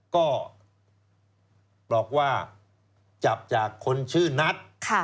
ก็บอกว่าจับจากคนชื่อนัท